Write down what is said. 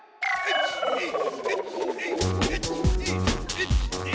１２！